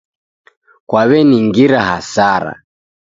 kwaw'eningira hasara.